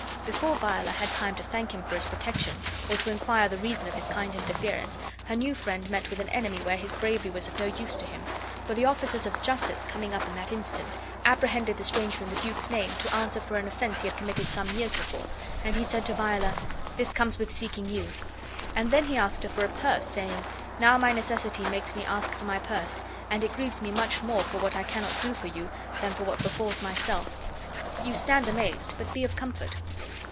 Before Viola had time to thank him for his protection, or to inquire the reason of his kind interference, her new friend met with an enemy where his bravery was of no use to him; for the officers of justice coming up in that instant, apprehended the stranger in the duke's name, to answer for an offense he had committed some years before; and he said to Viola: "This comes with seeking you." And then he asked her for a purse, saying: "Now my necessity makes me ask for my purse, and it grieves me much more for what I cannot do for you than for what befalls myself. You stand amazed, but be of comfort."